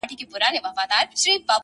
• هغه به څرنګه بلا وویني؛